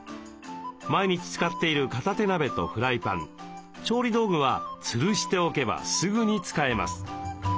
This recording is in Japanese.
毎日使っている片手鍋とフライパン調理道具はつるしておけばすぐに使えます。